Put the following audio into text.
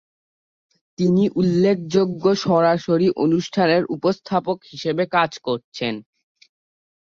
তিনি উল্লেখযোগ্য সরাসরি অনুষ্ঠানের উপস্থাপক হিসাবে কাজ করছেন।